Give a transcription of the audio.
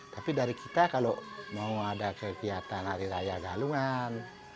tapi dari kita kalau mau ada kegiatan hari raya galungan